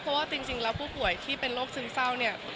เพราะว่าจริงที่รับพวกป่วยคนเต็มโรคซึ้งเศร้า